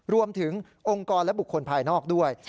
รวมถึงองค์กรและบุคคลภายนอกด้วย